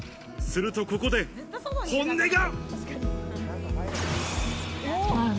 するとここで本音が。